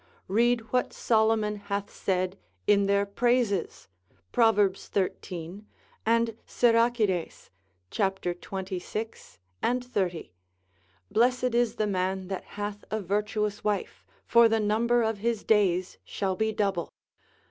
Read what Solomon hath said in their praises, Prov. xiii. and Siracides, cap. 26 et 30, Blessed is the man that hath a virtuous wife, for the number of his days shall be double.